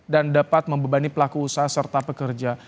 dan dapat membebani pelaku usaha serta pekerja